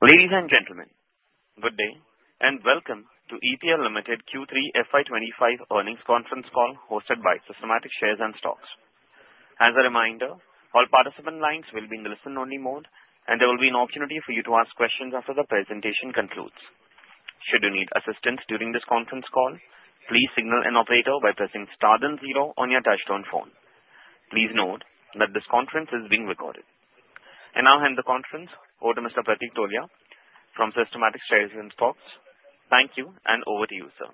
Ladies and gentlemen, good day and welcome to EPL Limited Q3 FY 2025 earnings conference call hosted by Systematix Shares and Stocks. As a reminder, all participant lines will be in the listen-only mode, and there will be an opportunity for you to ask questions after the presentation concludes. Should you need assistance during this conference call, please signal an operator by pressing star then zero on your touch-tone phone. Please note that this conference is being recorded, and I'll hand the conference over to Mr. Pratik Tholiya from Systematix Shares and Stocks. Thank you, and over to you, sir.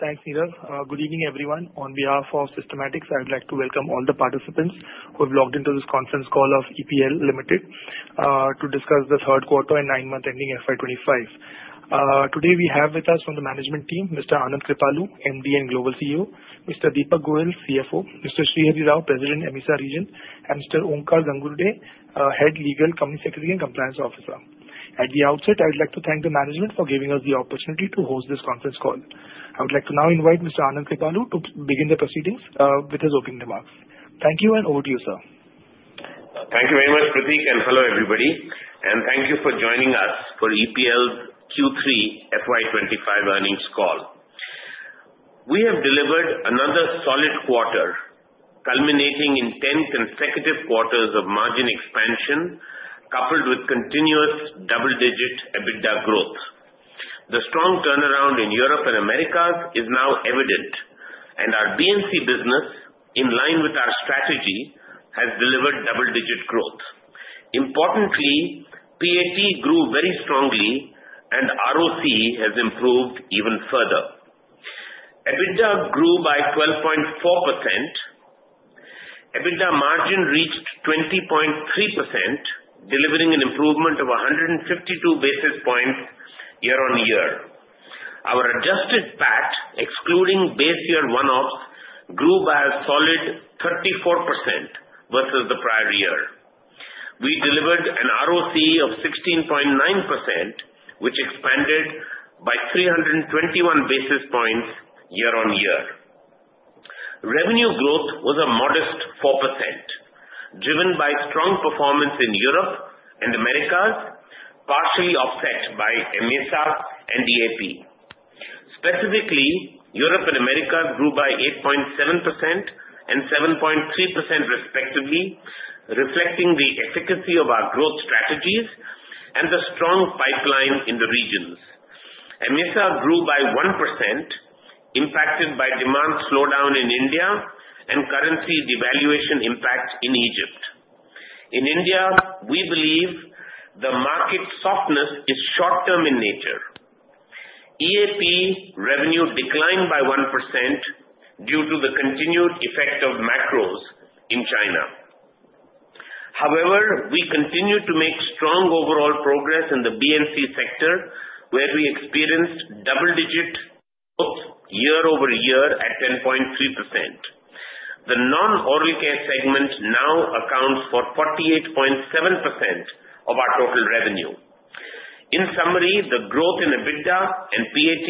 Thanks, Neeraj. Good evening, everyone. On behalf of Systematix, I would like to welcome all the participants who have logged into this conference call of EPL Limited, to discuss the third quarter and nine-month ending FY 2025. Today we have with us from the management team, Mr. Anand Kripalu, MD and Global CEO, Mr. Deepak Goyal, CFO, Mr. Srihari Rao, President, AMESA Region, and Mr. Omkar Gangurde, Head Legal, Company Secretary, and Compliance Officer. At the outset, I would like to thank the management for giving us the opportunity to host this conference call. I would like to now invite Mr. Anand Kripalu to begin the proceedings, with his opening remarks. Thank you, and over to you, sir. Thank you very much, Pratik, and hello, everybody. And thank you for joining us for EPL's Q3 FY 2025 earnings call. We have delivered another solid quarter, culminating in 10 consecutive quarters of margin expansion, coupled with continuous double-digit EBITDA growth. The strong turnaround in Europe and Americas is now evident, and our BNC business, in line with our strategy, has delivered double-digit growth. Importantly, PAT grew very strongly, and ROC has improved even further. EBITDA grew by 12.4%. EBITDA margin reached 20.3%, delivering an improvement of 152 basis points year-on-year. Our adjusted PAT, excluding base year one-offs, grew by a solid 34% versus the prior year. We delivered an ROC of 16.9%, which expanded by 321 basis points year-on-year. Revenue growth was a modest 4%, driven by strong performance in Europe and Americas, partially offset by AMESA and EAP. Specifically, Europe and Americas grew by 8.7% and 7.3%, respectively, reflecting the efficacy of our growth strategies and the strong pipeline in the regions. AMESA grew by 1%, impacted by demand slowdown in India and currency devaluation impact in Egypt. In India, we believe the market softness is short-term in nature. EAP revenue declined by 1% due to the continued effect of macros in China. However, we continue to make strong overall progress in the BNC sector, where we experienced double-digit growth year-over-year at 10.3%. The non-Oral Care segment now accounts for 48.7% of our total revenue. In summary, the growth in EBITDA and PAT,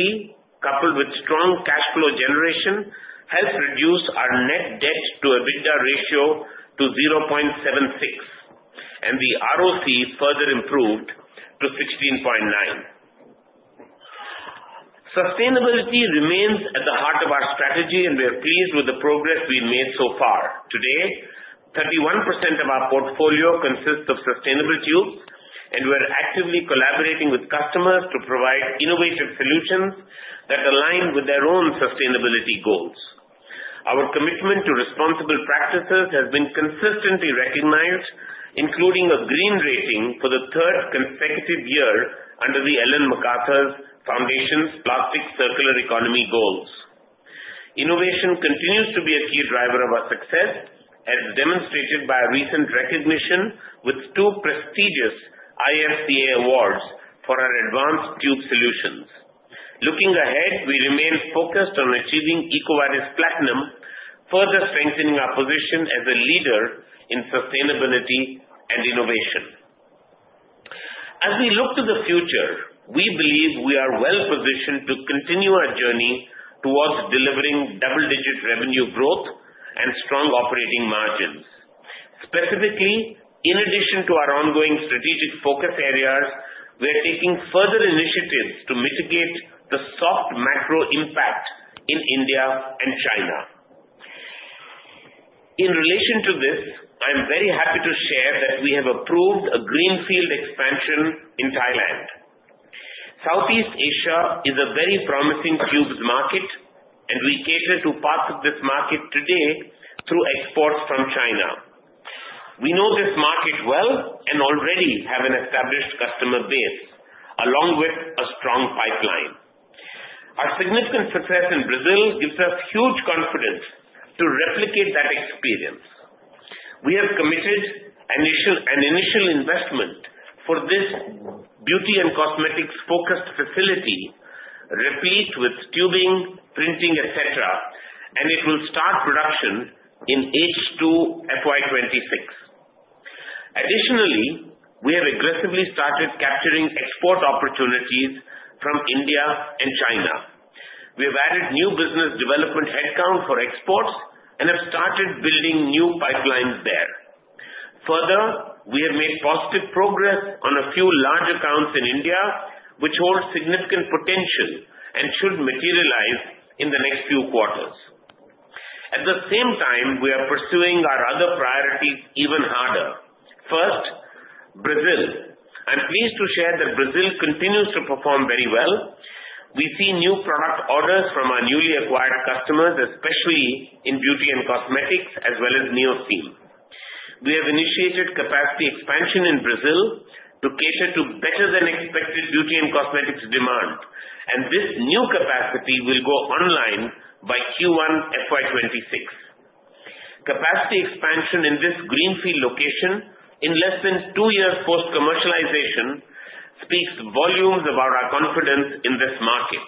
coupled with strong cash flow generation, helped reduce our net debt-to-EBITDA ratio to 0.76, and the ROC further improved to 16.9. Sustainability remains at the heart of our strategy, and we are pleased with the progress we've made so far. Today, 31% of our portfolio consists of sustainable tubes, and we are actively collaborating with customers to provide innovative solutions that align with their own sustainability goals. Our commitment to responsible practices has been consistently recognized, including a green rating for the third consecutive year under the Ellen MacArthur Foundation's Plastic Circular Economy goals. Innovation continues to be a key driver of our success, as demonstrated by a recent recognition with two prestigious IFCA awards for our advanced tube solutions. Looking ahead, we remain focused on achieving EcoVadis Platinum, further strengthening our position as a leader in sustainability and innovation. As we look to the future, we believe we are well-positioned to continue our journey towards delivering double-digit revenue growth and strong operating margins. Specifically, in addition to our ongoing strategic focus areas, we are taking further initiatives to mitigate the soft macro impact in India and China. In relation to this, I'm very happy to share that we have approved a greenfield expansion in Thailand. Southeast Asia is a very promising tubes market, and we cater to parts of this market today through exports from China. We know this market well and already have an established customer base, along with a strong pipeline. Our significant success in Brazil gives us huge confidence to replicate that experience. We have committed an initial investment for this beauty and cosmetics-focused facility, replete with tubing, printing, etc., and it will start production in H2 FY 2026. Additionally, we have aggressively started capturing export opportunities from India and China. We have added new business development headcount for exports and have started building new pipelines there. Further, we have made positive progress on a few larger accounts in India, which hold significant potential and should materialize in the next few quarters. At the same time, we are pursuing our other priorities even harder. First, Brazil. I'm pleased to share that Brazil continues to perform very well. We see new product orders from our newly acquired customers, especially in beauty and cosmetics, as well as NeoSeam. We have initiated capacity expansion in Brazil to cater to better-than-expected beauty and cosmetics demand, and this new capacity will go online by Q1 FY 2025. Capacity expansion in this greenfield location in less than two years post-commercialization speaks volumes about our confidence in this market.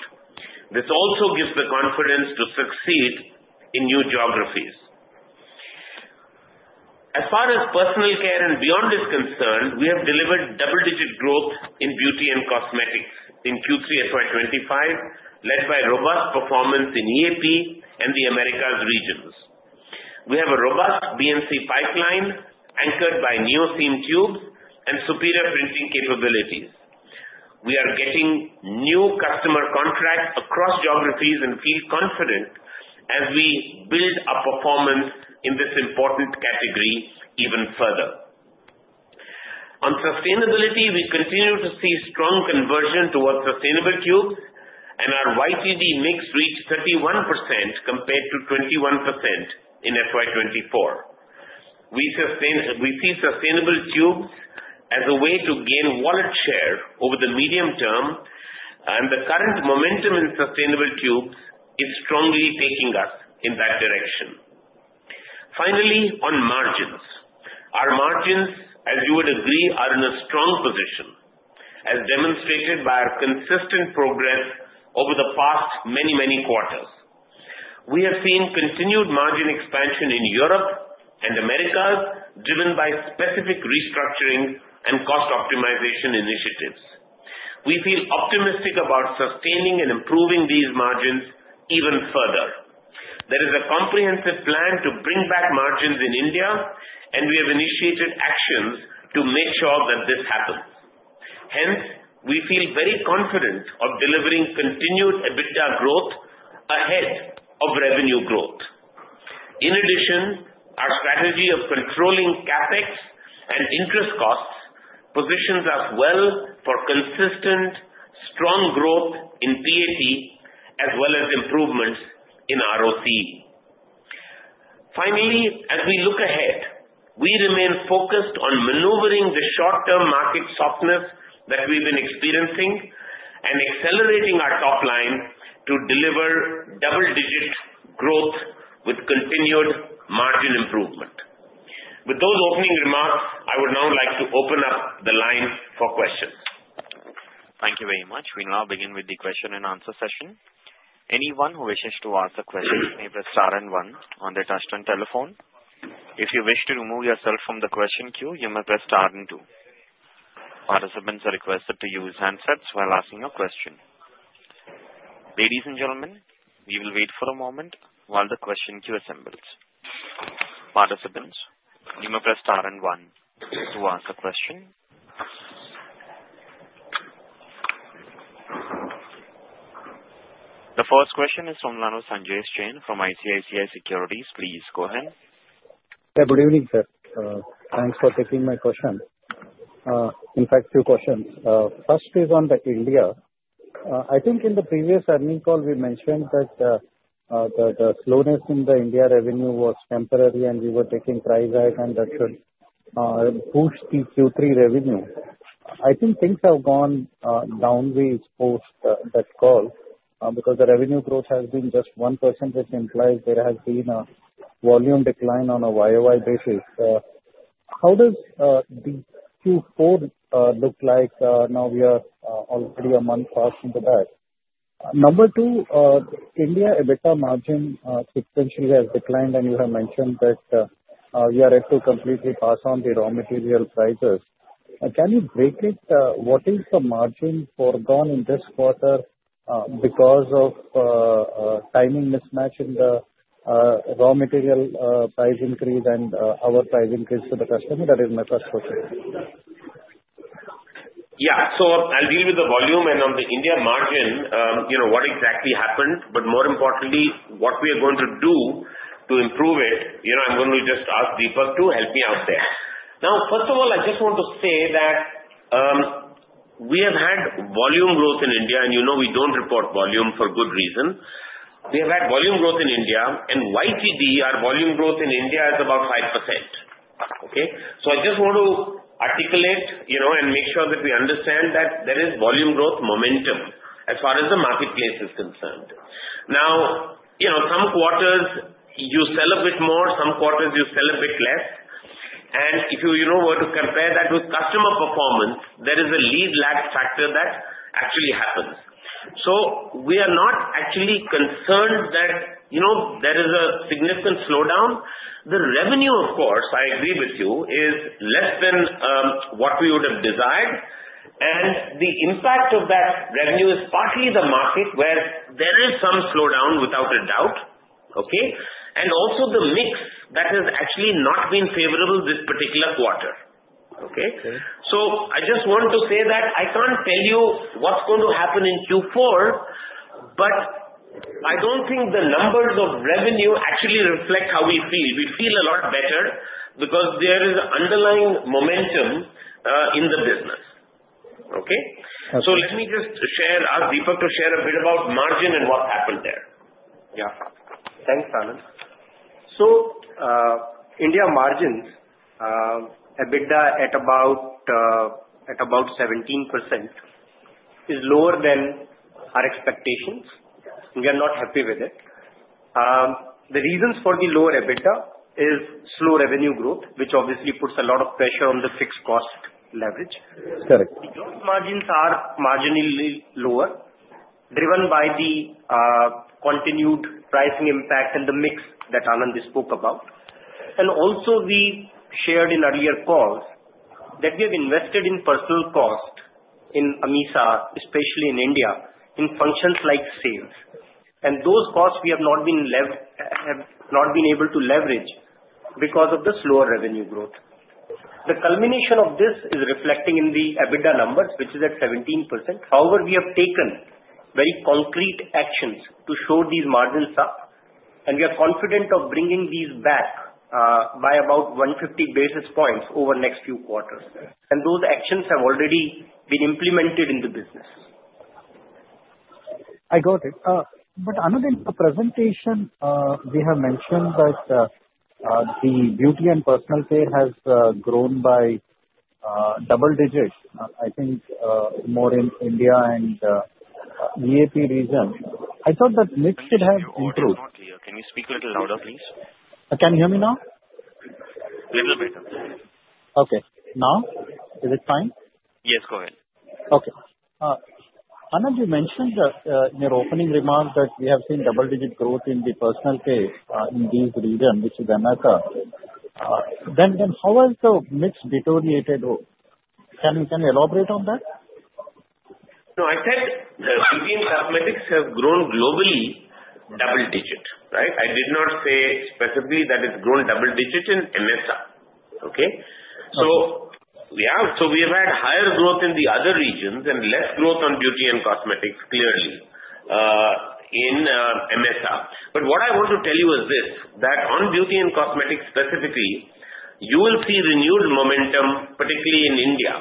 This also gives the confidence to succeed in new geographies. As far as personal care and beyond is concerned, we have delivered double-digit growth in beauty and cosmetics in Q3 FY 2025, led by robust performance in EAP and the Americas regions. We have a robust BNC pipeline anchored by NeoSeam tubes and superior printing capabilities. We are getting new customer contracts across geographies and feel confident as we build our performance in this important category even further. On sustainability, we continue to see strong conversion towards sustainable tubes, and our YTD mix reached 31% compared to 21% in FY 2024. We see sustainable tubes as a way to gain wallet share over the medium term, and the current momentum in sustainable tubes is strongly taking us in that direction. Finally, on margins. Our margins, as you would agree, are in a strong position, as demonstrated by our consistent progress over the past many, many quarters. We have seen continued margin expansion in Europe and Americas, driven by specific restructuring and cost optimization initiatives. We feel optimistic about sustaining and improving these margins even further. There is a comprehensive plan to bring back margins in India, and we have initiated actions to make sure that this happens. Hence, we feel very confident of delivering continued EBITDA growth ahead of revenue growth. In addition, our strategy of controlling CapEx and interest costs positions us well for consistent, strong growth in PAT, as well as improvements in ROC. Finally, as we look ahead, we remain focused on maneuvering the short-term market softness that we've been experiencing and accelerating our top line to deliver double-digit growth with continued margin improvement. With those opening remarks, I would now like to open up the line for questions. Thank you very much. We now begin with the question-and-answer session. Anyone who wishes to ask a question may press star and one on the touch-tone telephone. If you wish to remove yourself from the question queue, you may press star and two. Participants are requested to use handsets while asking a question. Ladies and gentlemen, we will wait for a moment while the question queue assembles. Participants, you may press star and one to ask a question. The first question is from Sanjesh Jain from ICICI Securities. Please go ahead. Good evening, sir. Thanks for taking my question. In fact, two questions. First is on the India. I think in the previous earnings call, we mentioned that the slowness in the India revenue was temporary, and we were taking price action, and that should push the Q3 revenue. I think things have gone downwards post that call, because the revenue growth has been just 1%, which implies there has been a volume decline on a YoY basis. How does the Q4 look like? Now we are already a month fast in the bag. Number two, India EBITDA margin sequentially has declined, and you have mentioned that we are able to completely pass on the raw material prices. Can you break it? What is the margin foregone in this quarter, because of timing mismatch in the raw material price increase and our price increase to the customer? That is my first question. Yeah. So I'll deal with the volume and on the India margin, you know, what exactly happened, but more importantly, what we are going to do to improve it, you know. I'm going to just ask Deepak to help me out there. Now, first of all, I just want to say that we have had volume growth in India, and you know we don't report volume for good reason. We have had volume growth in India, and YTD, our volume growth in India is about 5%. Okay? So I just want to articulate, you know, and make sure that we understand that there is volume growth momentum as far as the marketplace is concerned. Now, you know, some quarters you sell a bit more, some quarters you sell a bit less, and if you know where to compare that with customer performance, there is a lead lag factor that actually happens. So we are not actually concerned that, you know, there is a significant slowdown. The revenue, of course, I agree with you, is less than what we would have desired, and the impact of that revenue is partly the market where there is some slowdown, without a doubt. Okay? And also the mix that has actually not been favorable this particular quarter. Okay? So I just want to say that I can't tell you what's going to happen in Q4, but I don't think the numbers of revenue actually reflect how we feel. We feel a lot better because there is underlying momentum in the business. Okay? Let me just hand over to Deepak to share a bit about margin and what happened there. Yeah. Thanks, Anand. So, India margins, EBITDA at about 17% is lower than our expectations. We are not happy with it. The reasons for the lower EBITDA is slow revenue growth, which obviously puts a lot of pressure on the fixed cost leverage. Correct. The gross margins are marginally lower, driven by the continued pricing impact and the mix that Anand spoke about, and also we shared in earlier calls that we have invested in personnel costs in AMESA, especially in India, in functions like sales, and those costs we have not been able to leverage because of the slower revenue growth. The culmination of this is reflecting in the EBITDA numbers, which is at 17%. However, we have taken very concrete actions to shore these margins up, and we are confident of bringing these back by about 150 basis points over the next few quarters, and those actions have already been implemented in the business. I got it, but Anand, in the presentation, we have mentioned that the beauty and personal care has grown by double digits, I think, more in India and EAP region. I thought that mix should have improved. Can you speak a little louder, please? Can you hear me now? A little better. Okay. Now? Is it fine? Yes, go ahead. Okay. Anand, you mentioned that, in your opening remarks that we have seen double-digit growth in the personal care in these regions, which is AMESA. Then, how has the mix deteriorated? Can you elaborate on that? No, I said the beauty and cosmetics have grown globally double digit, right? I did not say specifically that it's grown double digit in AMESA. Okay? So yeah, so we have had higher growth in the other regions and less growth on beauty and cosmetics, clearly, in AMESA. But what I want to tell you is this, that on beauty and cosmetics specifically, you will see renewed momentum, particularly in India,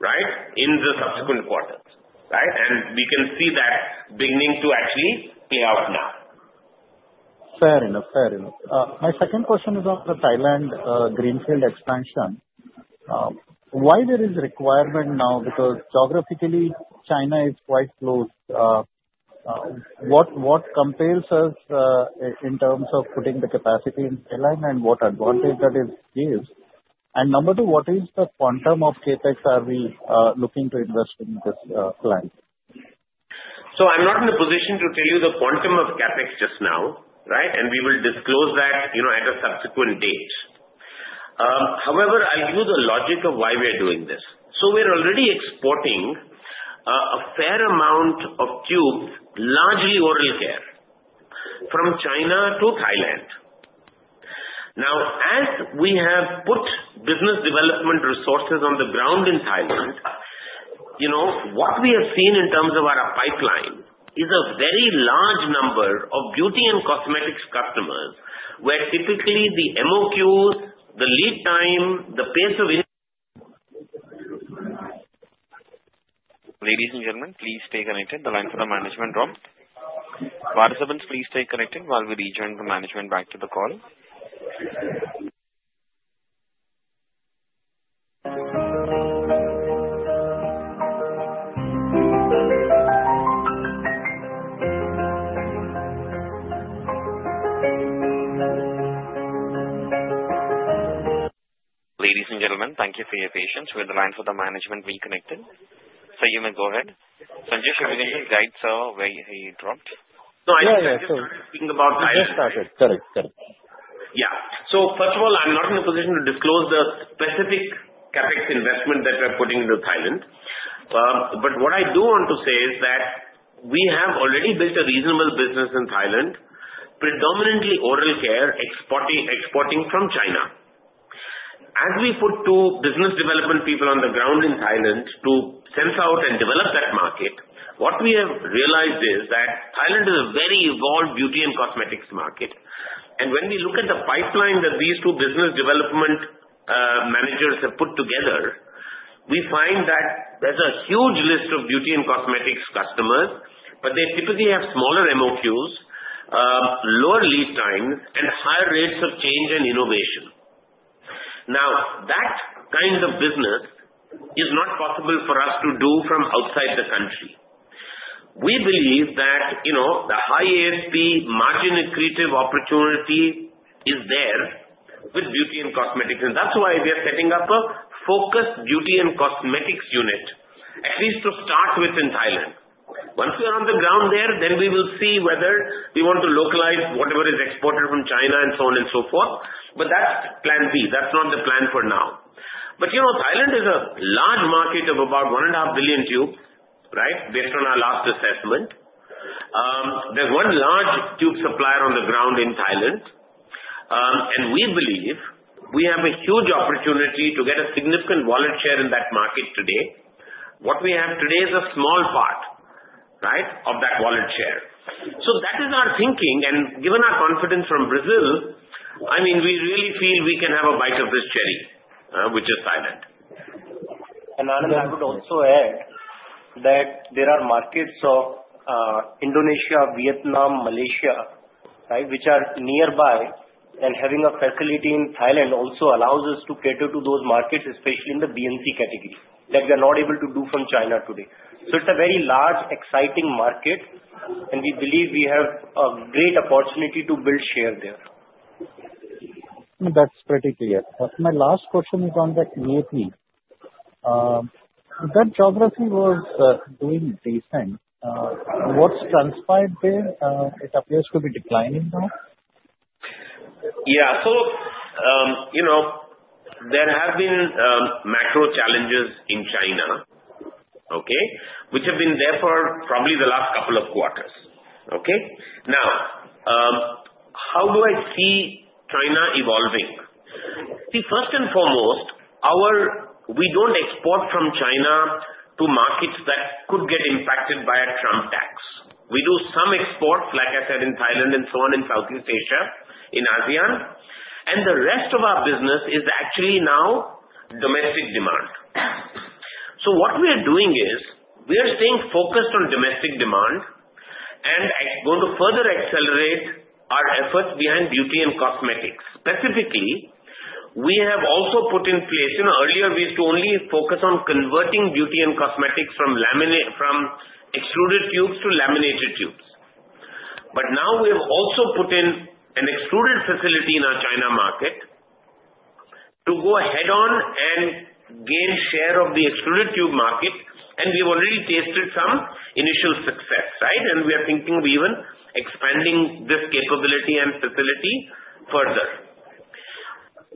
right, in the subsequent quarters, right? And we can see that beginning to actually play out now. Fair enough. Fair enough. My second question is on the Thailand greenfield expansion. Why there is requirement now? Because geographically, China is quite close. What, what compels us in terms of putting the capacity in Thailand and what advantage that is given? And number two, what is the quantum of CapEx are we looking to invest in this plan? So I'm not in a position to tell you the quantum of CapEx just now, right? And we will disclose that, you know, at a subsequent date. However, I'll give you the logic of why we are doing this. So we're already exporting a fair amount of tubes, largely oral care, from China to Thailand. Now, as we have put business development resources on the ground in Thailand, you know, what we have seen in terms of our pipeline is a very large number of beauty and cosmetics customers where typically the MOQs, the lead time, the pace of. Ladies and gentlemen, please stay connected. The line for the management dropped. Participants, please stay connected while we rejoin the management back to the call. Ladies and gentlemen, thank you for your patience. We're at the line for the management reconnected, so you may go ahead. Sanjesh, should we need to guide Sir where he dropped? No, I just started speaking about the. He just started. Correct. Correct. Yeah, so first of all, I'm not in a position to disclose the specific CapEx investment that we're putting into Thailand, but what I do want to say is that we have already built a reasonable business in Thailand, predominantly oral care, exporting, exporting from China. As we put two business development people on the ground in Thailand to sense out and develop that market, what we have realized is that Thailand is a very evolved beauty and cosmetics market, and when we look at the pipeline that these two business development managers have put together, we find that there's a huge list of beauty and cosmetics customers, but they typically have smaller MOQs, lower lead times, and higher rates of change and innovation. Now, that kind of business is not possible for us to do from outside the country. We believe that, you know, the high ASP margin creative opportunity is there with beauty and cosmetics, and that's why we are setting up a focused beauty and cosmetics unit, at least to start with in Thailand. Once we are on the ground there, then we will see whether we want to localize whatever is exported from China and so on and so forth. But that's plan B. That's not the plan for now. But, you know, Thailand is a large market of about one and a half billion tubes, right, based on our last assessment. There's one large tube supplier on the ground in Thailand, and we believe we have a huge opportunity to get a significant wallet share in that market today. What we have today is a small part, right, of that wallet share, so that is our thinking. Given our confidence from Brazil, I mean, we really feel we can have a bite of this cherry, which is Thailand. Anand, I would also add that there are markets of Indonesia, Vietnam, Malaysia, right, which are nearby, and having a facility in Thailand also allows us to cater to those markets, especially in the BNC category, that we are not able to do from China today. It's a very large, exciting market, and we believe we have a great opportunity to build share there. That's pretty clear. My last question is on the EAP. That geography was doing decent. What's transpired there? It appears to be declining now. Yeah. So, you know, there have been macro challenges in China, okay, which have been there for probably the last couple of quarters. Okay? Now, how do I see China evolving? See, first and foremost, we don't export from China to markets that could get impacted by Trump tariffs. We do some exports, like I said, in Thailand and so on in Southeast Asia, in ASEAN. And the rest of our business is actually now domestic demand. So what we are doing is we are staying focused on domestic demand, and I'm going to further accelerate our efforts behind beauty and cosmetics. Specifically, we have also put in place, you know, earlier we used to only focus on converting beauty and cosmetics from extruded tubes to laminated tubes. But now we have also put in an extruded facility in our China market to go head-on and gain share of the extruded tube market. And we've already tasted some initial success, right? And we are thinking of even expanding this capability and facility further.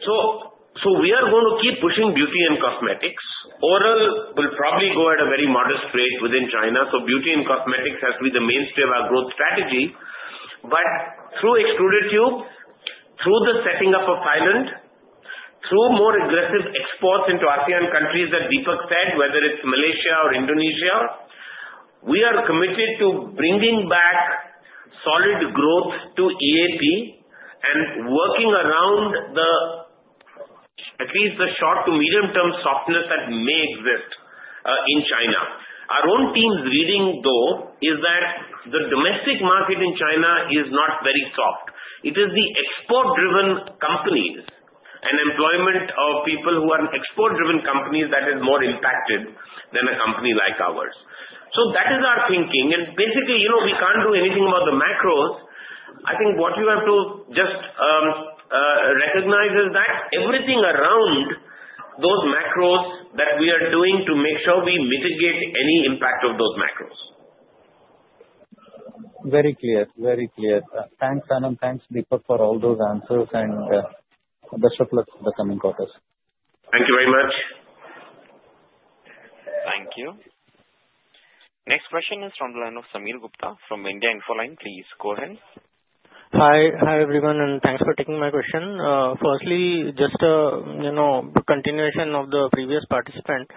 So, so we are going to keep pushing beauty and cosmetics. Oral will probably go at a very modest rate within China. So beauty and cosmetics has to be the mainstay of our growth strategy. But through extruded tubes, through the setting up of Thailand, through more aggressive exports into ASEAN countries, that Deepak said, whether it's Malaysia or Indonesia, we are committed to bringing back solid growth to EAP and working around the, at least the short to medium-term softness that may exist, in China. Our own team's reading, though, is that the domestic market in China is not very soft. It is the export-driven companies and employment of people who are export-driven companies that is more impacted than a company like ours, so that is our thinking, and basically, you know, we can't do anything about the macros. I think what you have to just recognize is that everything around those macros that we are doing to make sure we mitigate any impact of those macros. Very clear. Very clear. Thanks, Anand. Thanks, Deepak, for all those answers and best of luck for the coming quarters. Thank you very much. Thank you. Next question is from the line of Sameer Gupta from India Infoline. Please go ahead. Hi. Hi everyone, and thanks for taking my question. First, just a, you know, continuation of the previous participant.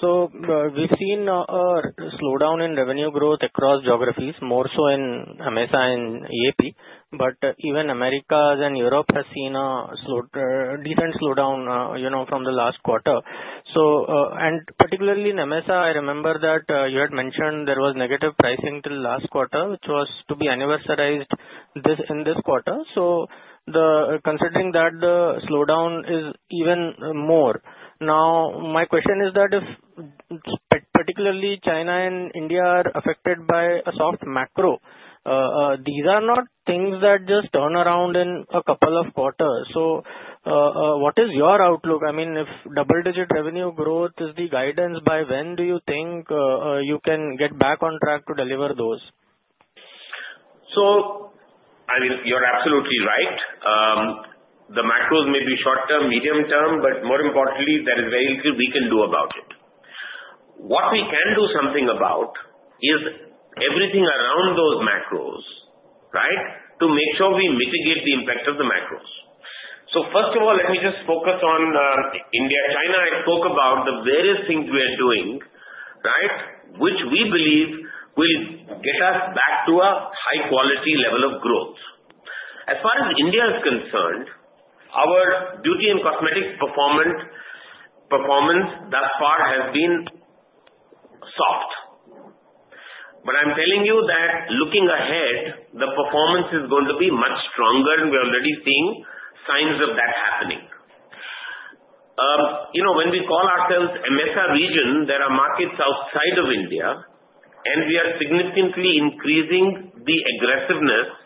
So, we've seen a slowdown in revenue growth across geographies, more so in AMESA and EAP. But even Americas and Europe have seen a slow, decent slowdown, you know, from the last quarter. So, and particularly in AMESA, I remember that, you had mentioned there was negative pricing till last quarter, which was to be anniversaried this in this quarter. So, considering that the slowdown is even more. Now, my question is that if particularly China and India are affected by a soft macro, these are not things that just turn around in a couple of quarters. So, what is your outlook? I mean, if double-digit revenue growth is the guidance, by when do you think, you can get back on track to deliver those? So, I mean, you're absolutely right. The macros may be short-term, medium-term, but more importantly, there is very little we can do about it. What we can do something about is everything around those macros, right, to make sure we mitigate the impact of the macros. So first of all, let me just focus on India-China. I spoke about the various things we are doing, right, which we believe will get us back to a high-quality level of growth. As far as India is concerned, our beauty and cosmetics performance thus far has been soft. But I'm telling you that looking ahead, the performance is going to be much stronger, and we're already seeing signs of that happening. You know, when we call ourselves AMESA region, there are markets outside of India, and we are significantly increasing the aggressiveness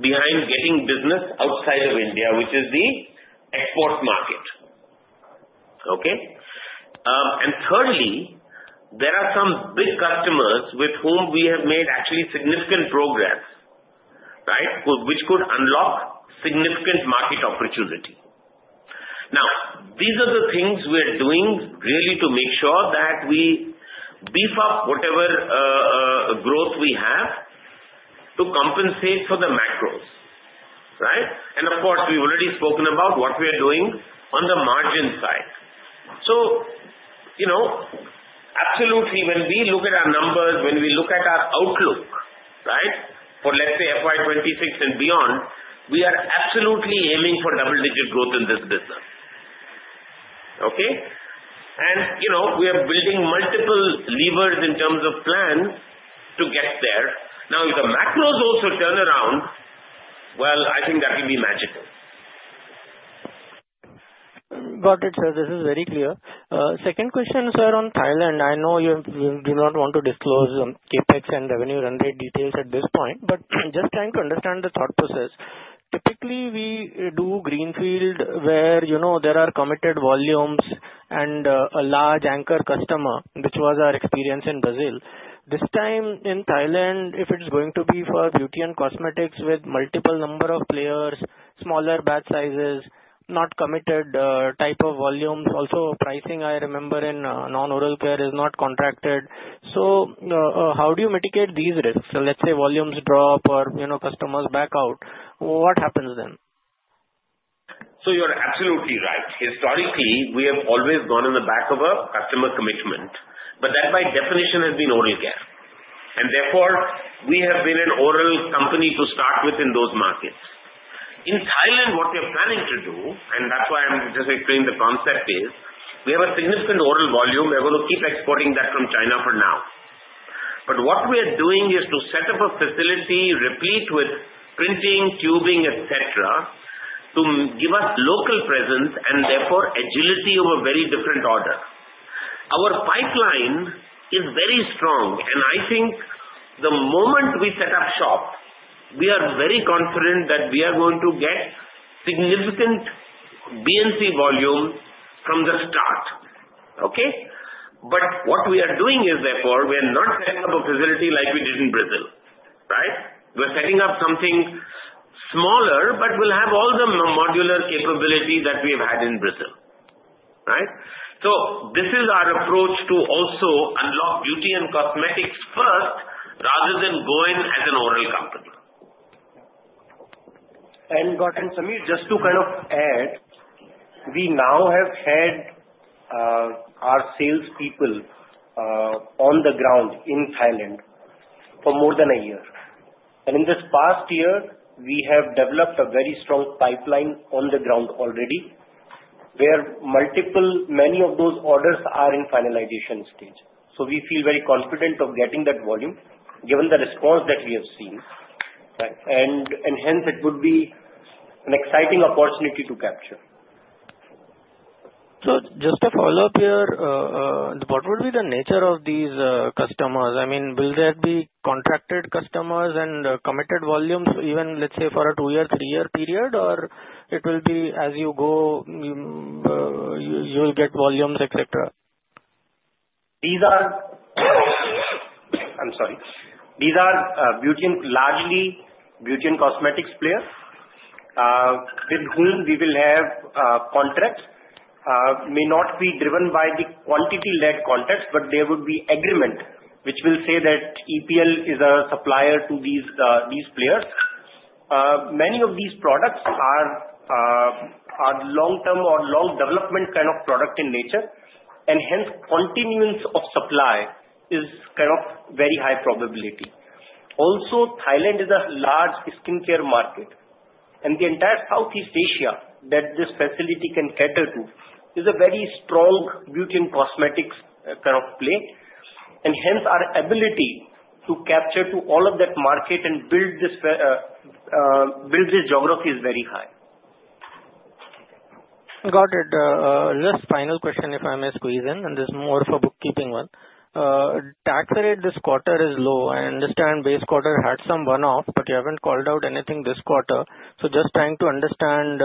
behind getting business outside of India, which is the export market. Okay? And thirdly, there are some big customers with whom we have made actually significant progress, right, which could unlock significant market opportunity. Now, these are the things we're doing really to make sure that we beef up whatever, growth we have to compensate for the macros, right? And of course, we've already spoken about what we are doing on the margin side. So, you know, absolutely, when we look at our numbers, when we look at our outlook, right, for, let's say, FY 2026 and beyond, we are absolutely aiming for double-digit growth in this business. Okay? And, you know, we are building multiple levers in terms of plans to get there. Now, if the macros also turn around, well, I think that will be magical. Got it, Sir. This is very clear. Second question, Sir, on Thailand. I know you do not want to disclose CapEx and revenue run rate details at this point, but just trying to understand the thought process. Typically, we do greenfield where, you know, there are committed volumes and a large anchor customer, which was our experience in Brazil. This time in Thailand, if it's going to be for beauty and cosmetics with multiple number of players, smaller batch sizes, not committed, type of volumes, also pricing, I remember, in non-oral care is not contracted. So, how do you mitigate these risks? So let's say volumes drop or, you know, customers back out. What happens then? So you're absolutely right. Historically, we have always gone on the back of a customer commitment, but that by definition has been Oral Care. And therefore, we have been an Oral Care company to start with in those markets. In Thailand, what we are planning to do, and that's why I'm just explaining the concept, is we have a significant Oral Care volume. We're going to keep exporting that from China for now. But what we are doing is to set up a facility replete with printing, tubing, etc., to give us local presence and therefore agility of a very different order. Our pipeline is very strong, and I think the moment we set up shop, we are very confident that we are going to get significant BNC volume from the start. Okay? But what we are doing is, therefore, we are not setting up a facility like we did in Brazil, right? We're setting up something smaller, but we'll have all the modular capability that we have had in Brazil, right? So this is our approach to also unlock beauty and cosmetics first rather than going as an oral company. Good, and Sameer, just to kind of add, we now have had our salespeople on the ground in Thailand for more than a year. And in this past year, we have developed a very strong pipeline on the ground already where many of those orders are in finalization stage. So we feel very confident of getting that volume given the response that we have seen, right? And hence, it would be an exciting opportunity to capture. So just to follow up here, what would be the nature of these customers? I mean, will there be contracted customers and committed volumes even, let's say, for a two-year, three-year period, or it will be as you go, you, you'll get volumes, etc.? These are beauty and, largely, beauty and cosmetics players with whom we will have contracts. They may not be driven by quantity-led contracts, but there would be agreement which will say that EPL is a supplier to these players. Many of these products are long-term or long-development kind of product in nature, and hence continuance of supply is kind of very high probability. Also, Thailand is a large skincare market, and the entire Southeast Asia that this facility can cater to is a very strong beauty and cosmetics kind of play. Hence, our ability to capture to all of that market and build this geography is very high. Got it. Just final question, if I may squeeze in, and this is more of a bookkeeping one. Tax rate this quarter is low. I understand base quarter had some one-off, but you haven't called out anything this quarter. So just trying to understand,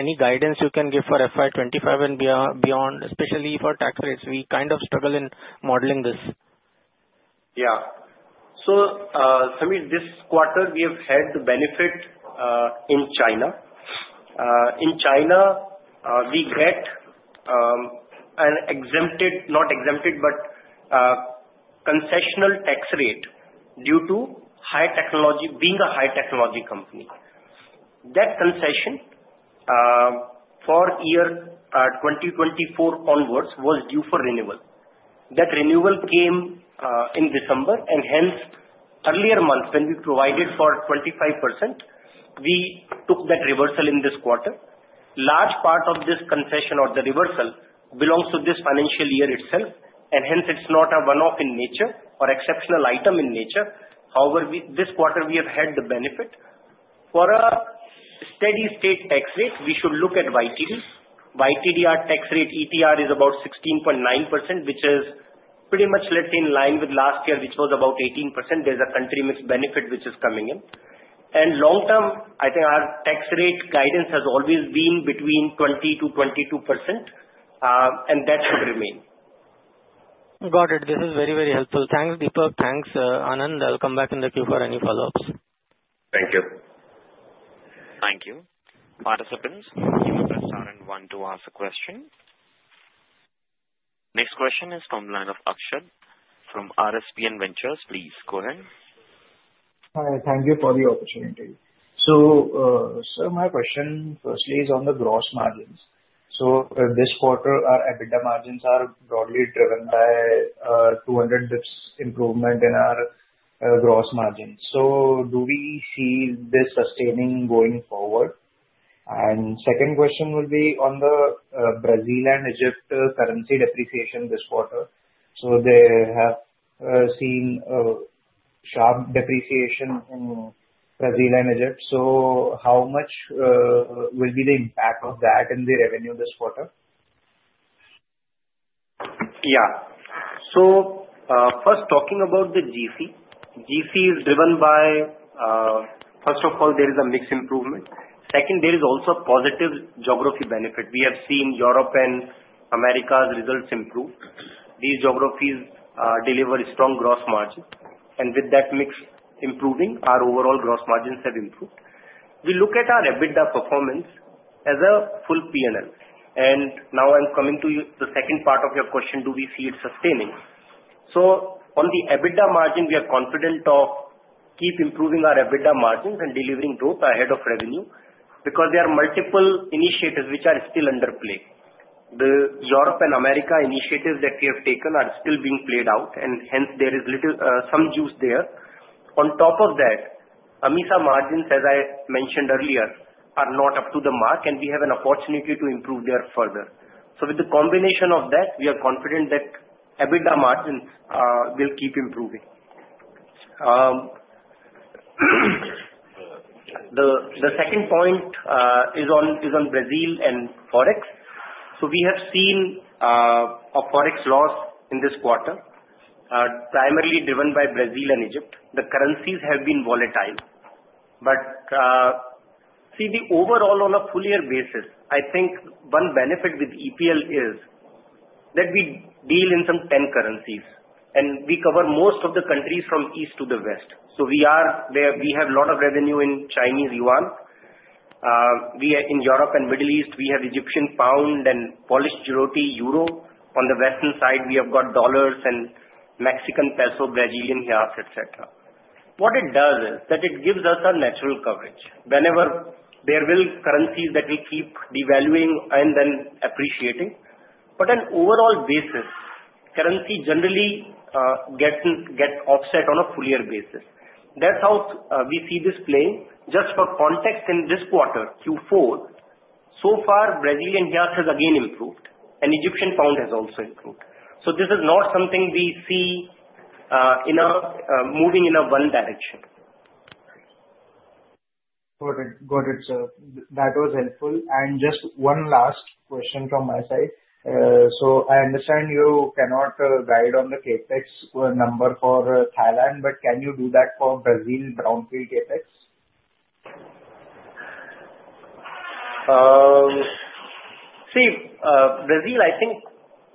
any guidance you can give for FY 2025 and beyond, especially for tax rates. We kind of struggle in modeling this. Yeah. So, Sameer, this quarter we have had the benefit in China. In China, we get an exempted, not exempted, but concessional tax rate due to high technology being a high-technology company. That concession for year 2024 onwards was due for renewal. That renewal came in December, and hence earlier months when we provided for 25%, we took that reversal in this quarter. Large part of this concession or the reversal belongs to this financial year itself, and hence it's not a one-off in nature or exceptional item in nature. However, this quarter we have had the benefit. For a steady-state tax rate, we should look at YTD. YTD our tax rate ETR is about 16.9%, which is pretty much, let's say, in line with last year, which was about 18%. There's a country-mix benefit which is coming in. Long-term, I think our tax rate guidance has always been between 20%-22%, and that should remain. Got it. This is very, very helpful. Thanks, Deepak. Thanks, Anand. I'll come back in the queue for any follow-ups. Thank you. Thank you. Participants, you may press star and one to ask a question. Next question is from the line of Akshat. From RSPN Ventures, please, go ahead. Hi. Thank you for the opportunity. So, sir, my question firstly is on the gross margins. So this quarter, our EBITDA margins are broadly driven by 200 basis points improvement in our gross margins. So do we see this sustaining going forward? And second question will be on the Brazil and Egypt currency depreciation this quarter. So they have seen sharp depreciation in Brazil and Egypt. So how much will be the impact of that in the revenue this quarter? Yeah. So, first, talking about the GM, GM is driven by, first of all, there is a mix improvement. Second, there is also a positive geography benefit. We have seen Europe and Americas' results improve. These geographies deliver strong gross margins. And with that mix improving, our overall gross margins have improved. We look at our EBITDA performance as a full P&L. And now I'm coming to the second part of your question. Do we see it sustaining? So on the EBITDA margin, we are confident of keep improving our EBITDA margins and delivering growth ahead of revenue because there are multiple initiatives which are still in play. The Europe and Americas initiatives that we have taken are still being played out, and hence, there is some juice there. On top of that, AMESA margins, as I mentioned earlier, are not up to the mark, and we have an opportunity to improve there further. So with the combination of that, we are confident that EBITDA margins will keep improving. The second point is on Brazil and Forex. So we have seen a Forex loss in this quarter, primarily driven by Brazil and Egypt. The currencies have been volatile. But see, the overall, on a full-year basis, I think one benefit with EPL is that we deal in some 10 currencies, and we cover most of the countries from east to west. So we are there. We have a lot of revenue in Chinese yuan. We are in Europe and Middle East. We have Egyptian pound and Polish zloty, euro. On the western side, we have got dollars and Mexican peso, Brazilian real, etc. What it does is that it gives us a natural coverage. Whenever there will be currencies that will keep devaluing and then appreciating. But on an overall basis, currency generally gets offset on a full-year basis. That's how we see this play. Just for context, in this quarter, Q4, so far, Brazilian Real has again improved, and Egyptian Pound has also improved. So this is not something we see moving in one direction. Got it. Got it, sir. That was helpful. And just one last question from my side. So I understand you cannot guide on the CapEx number for Thailand, but can you do that for Brazil brownfield CapEx? See, Brazil. I think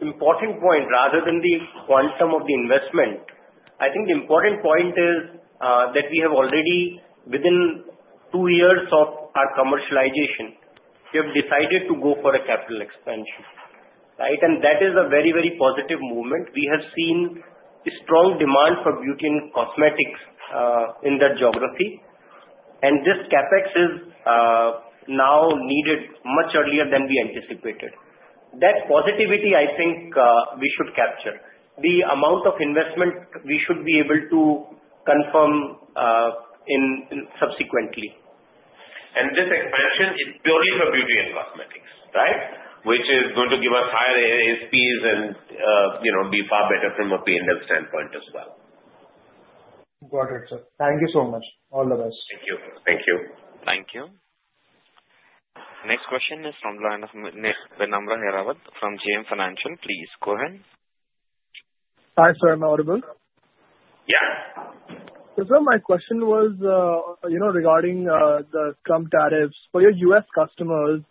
important point rather than the quantum of the investment. I think the important point is, that we have already, within two years of our commercialization, we have decided to go for a capital expansion, right? And that is a very, very positive movement. We have seen a strong demand for beauty and cosmetics, in that geography. And this CapEx is, now needed much earlier than we anticipated. That positivity, I think, we should capture. The amount of investment we should be able to confirm, in subsequently. And this expansion is purely for beauty and cosmetics, right, which is going to give us higher ASPs and, you know, be far better from a P&L standpoint as well. Got it, sir. Thank you so much. All the best. Thank you. Thank you. Thank you. Next question is from the line of Vinamra Hirawat from JM Financial. Please go ahead. Hi, sir. Am I audible? Yeah. So, sir, my question was, you know, regarding the Trump tariffs for your U.S. customers.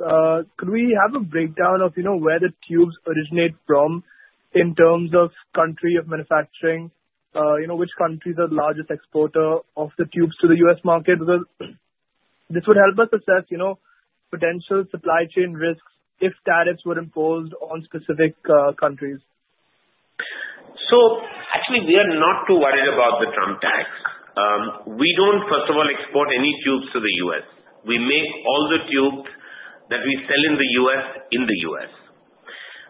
Could we have a breakdown of, you know, where the tubes originate from in terms of country of manufacturing? You know, which countries are the largest exporter of the tubes to the U.S. market? Because this would help us assess, you know, potential supply chain risks if tariffs were imposed on specific countries. So actually, we are not too worried about the Trump tariffs. We don't, first of all, export any tubes to the U.S. We make all the tubes that we sell in the U.S. in the U.S.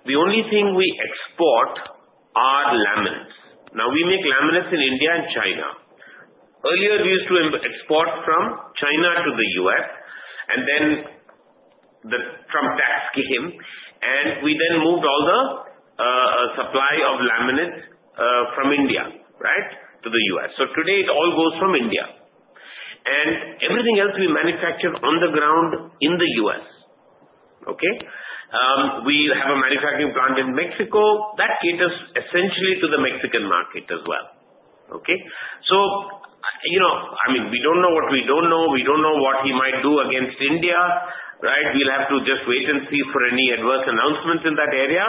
The only thing we export are laminates. Now, we make laminates in India and China. Earlier, we used to export from China to the U.S., and then the Trump tax came, and we then moved all the supply of laminates from India, right, to the U.S. So today, it all goes from India. And everything else we manufacture on the ground in the U.S. Okay? We have a manufacturing plant in Mexico that caters essentially to the Mexican market as well. Okay? So, you know, I mean, we don't know what we don't know. We don't know what he might do against India, right? We'll have to just wait and see for any adverse announcements in that area.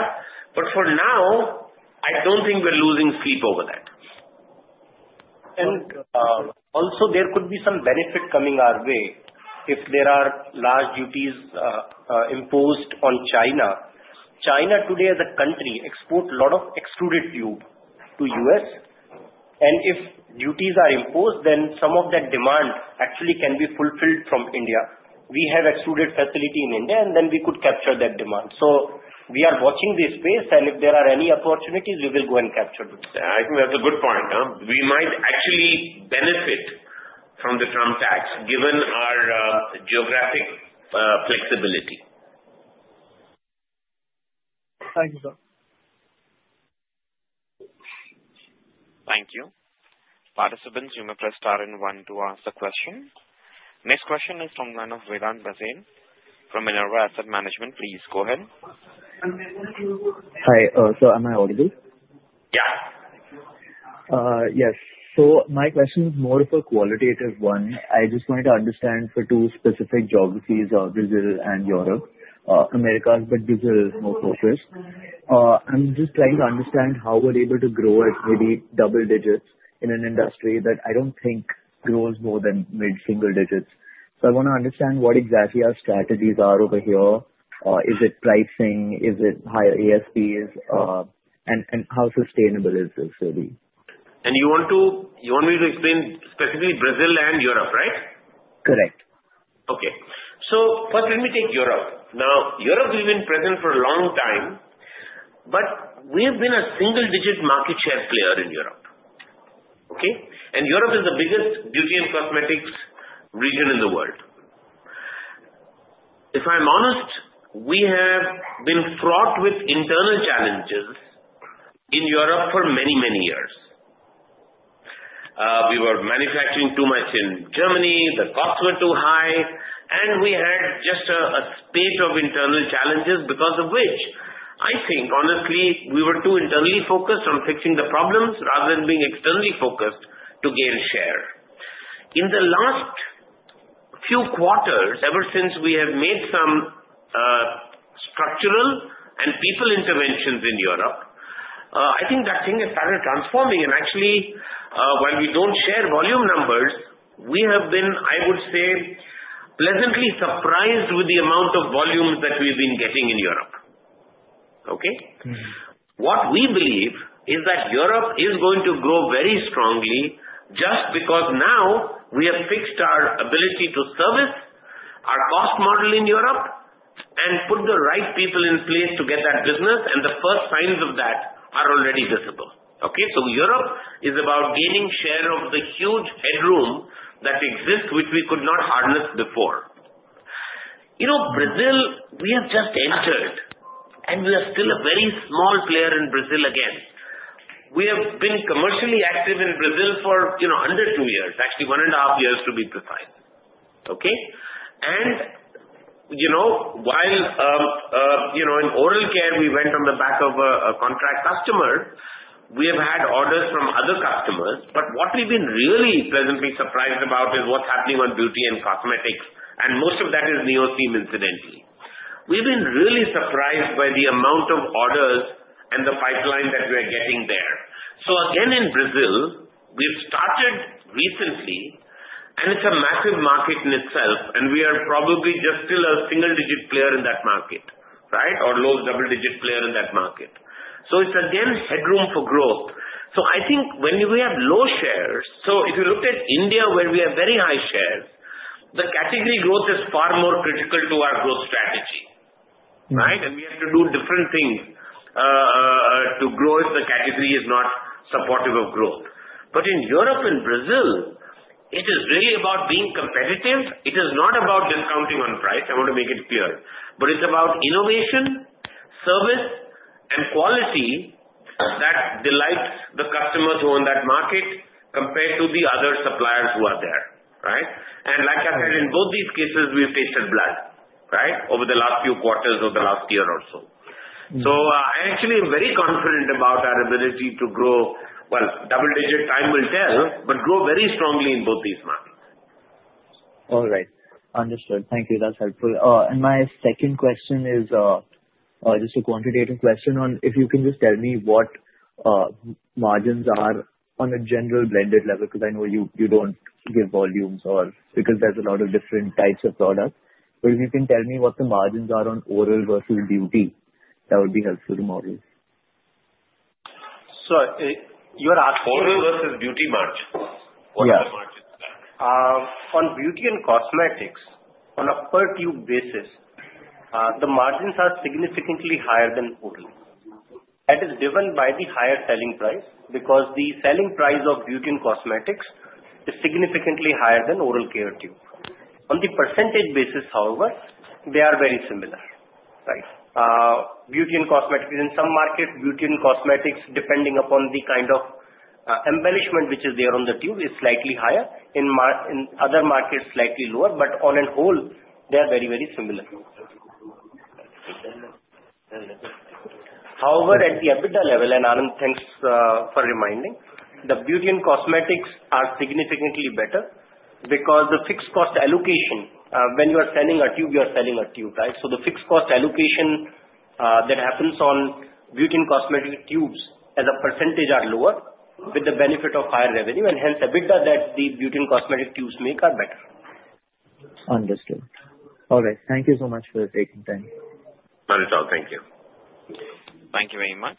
But for now, I don't think we're losing sleep over that. Also, there could be some benefit coming our way if there are large duties imposed on China. China today, as a country, exports a lot of extruded tube to the U.S. If duties are imposed, then some of that demand actually can be fulfilled from India. We have extruded facility in India, and then we could capture that demand. We are watching this space, and if there are any opportunities, we will go and capture them. I think that's a good point, huh? We might actually benefit from the Trump tariffs given our geographic flexibility. Thank you, sir. Thank you. Participants, you may press star and one to ask a question. Next question is from the line of Vedant Bhasin from Minerva Asset Management. Please go ahead. Hi, sir, am I audible? Yeah. Yes. So my question is more of a qualitative one. I just wanted to understand for two specific geographies, Brazil and Europe, Americas, but Brazil is more focused. I'm just trying to understand how we're able to grow at maybe double digits in an industry that I don't think grows more than mid-single digits. So I want to understand what exactly our strategies are over here. Is it pricing? Is it higher ASPs? And how sustainable is this really? You want me to explain specifically Brazil and Europe, right? Correct. Okay. So first, let me take Europe. Now, Europe has been present for a long time, but we have been a single-digit market share player in Europe. Okay? And Europe is the biggest beauty and cosmetics region in the world. If I'm honest, we have been fraught with internal challenges in Europe for many, many years. We were manufacturing too much in Germany. The costs were too high, and we had just a spate of internal challenges because of which, I think, honestly, we were too internally focused on fixing the problems rather than being externally focused to gain share. In the last few quarters, ever since we have made some structural and people interventions in Europe, I think that thing has started transforming. Actually, while we don't share volume numbers, we have been, I would say, pleasantly surprised with the amount of volumes that we've been getting in Europe. Okay? Mm-hmm. What we believe is that Europe is going to grow very strongly just because now we have fixed our ability to service our cost model in Europe and put the right people in place to get that business. And the first signs of that are already visible. Okay? So Europe is about gaining share of the huge headroom that exists, which we could not harness before. You know, Brazil, we have just entered, and we are still a very small player in Brazil again. We have been commercially active in Brazil for, you know, under two years, actually one and a half years to be precise. Okay? And, you know, while, you know, in oral care, we went on the back of a contract customer. We have had orders from other customers. But what we've been really pleasantly surprised about is what's happening on beauty and cosmetics. And most of that is NeoSeam, incidentally. We've been really surprised by the amount of orders and the pipeline that we are getting there. So again, in Brazil, we've started recently, and it's a massive market in itself, and we are probably just still a single-digit player in that market, right, or low double-digit player in that market. So it's again headroom for growth. So I think when we have low shares, so if you look at India, where we have very high shares, the category growth is far more critical to our growth strategy, right? And we have to do different things, to grow if the category is not supportive of growth. But in Europe and Brazil, it is really about being competitive. It is not about discounting on price. I want to make it clear. But it's about innovation, service, and quality that delights the customers who are in that market compared to the other suppliers who are there, right? And like I said, in both these cases, we've tasted blood, right, over the last few quarters of the last year or so. So, I actually am very confident about our ability to grow, well, double-digit, time will tell, but grow very strongly in both these markets. All right. Understood. Thank you. That's helpful, and my second question is, just a quantitative question on if you can just tell me what margins are on a general blended level because I know you, you don't give volumes or because there's a lot of different types of products. But if you can tell me what the margins are on oral versus beauty, that would be helpful to model. You're asking for oral versus beauty margin. Yeah. What are the margins there? On beauty and cosmetics, on a per-tube basis, the margins are significantly higher than oral. That is driven by the higher selling price because the selling price of beauty and cosmetics is significantly higher than oral care tube. On the percentage basis, however, they are very similar, right? Beauty and cosmetics, in some markets, beauty and cosmetics, depending upon the kind of embellishment which is there on the tube, is slightly higher. In other markets, slightly lower. But on the whole, they are very, very similar. However, at the EBITDA level, and Anand, thanks for reminding, the beauty and cosmetics are significantly better because the fixed cost allocation, when you are selling a tube, you are selling a tube, right? So the fixed cost allocation that happens on beauty and cosmetics tubes as a percentage are lower with the benefit of higher revenue. Hence, EBITDA that the beauty and cosmetics tubes make are better. Understood. All right. Thank you so much for taking time. Not at all. Thank you. Thank you very much.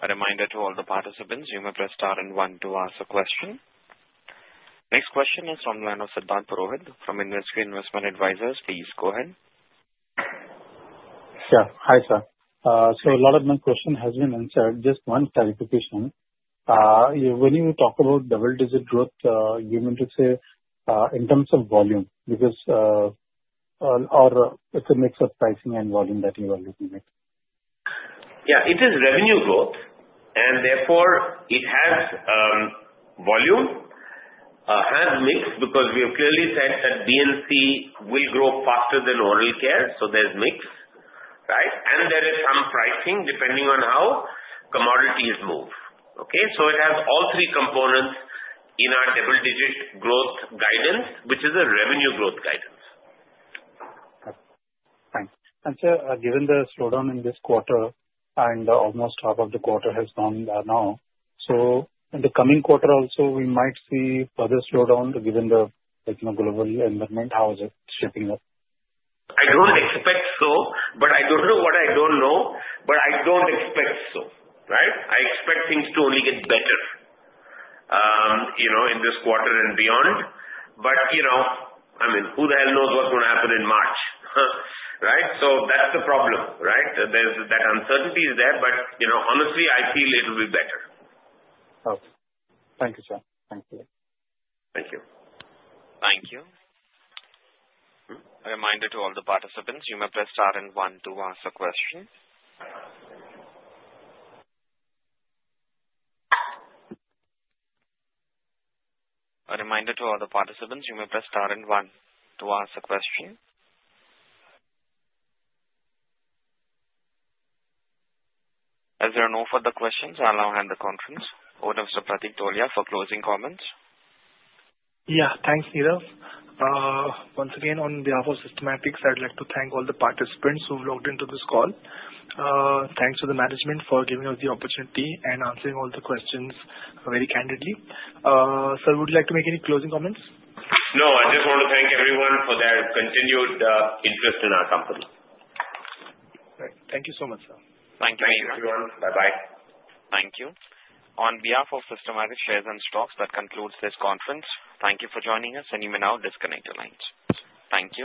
A reminder to all the participants, you may press star and one to ask a question. Next question is from the line of Siddhant Purohit from InvesQ Investment Advisors. Please go ahead. Sure. Hi, sir. So a lot of my questions have been answered. Just one clarification. When you talk about double-digit growth, you mean to say, in terms of volume because, or it's a mix of pricing and volume that you are looking at? Yeah. It is revenue growth, and therefore it has volume, has mix because we have clearly said that BNC will grow faster than oral care. So there's mix, right? And there is some pricing depending on how commodities move. Okay? So it has all three components in our double-digit growth guidance, which is a revenue growth guidance. Thanks. And, sir, given the slowdown in this quarter, and almost half of the quarter has gone by now, so in the coming quarter also, we might see further slowdown given the, like, you know, global environment. How is it shaping up? I don't expect so, but I don't know what I don't know, but I don't expect so, right? I expect things to only get better, you know, in this quarter and beyond. But, you know, I mean, who the hell knows what's going to happen in March, right? So that's the problem, right? There's that uncertainty is there, but, you know, honestly, I feel it'll be better. Okay. Thank you, sir. Thank you. Thank you. Thank you. A reminder to all the participants, you may press star and one to ask a question. A reminder to all the participants, you may press star and one to ask a question. As there are no further questions, I'll now hand the conference over to Mr. Pratik Tholiya for closing comments. Yeah. Thanks, Neeraj. Once again, on behalf of Systematix, I'd like to thank all the participants who've logged into this call. Thanks to the management for giving us the opportunity and answering all the questions very candidly. Sir, would you like to make any closing comments? No. I just want to thank everyone for their continued interest in our company. All right. Thank you so much, sir. Thank you. Thank you, everyone. Bye-bye. Thank you. On behalf of Systematix Shares and Stocks, that concludes this conference. Thank you for joining us, and you may now disconnect your lines. Thank you.